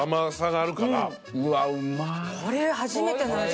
これ初めての味。